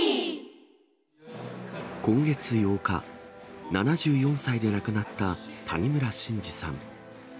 今月８日、７４歳で亡くなった谷村新司さん。